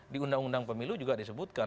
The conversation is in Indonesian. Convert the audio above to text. di undang undang pemilu juga disebutkan